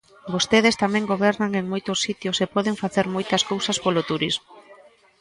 Vostedes tamén gobernan en moitos sitios e poden facer moitas cousas polo turismo.